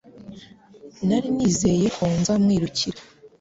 Nari nizeye ko nzakwirukira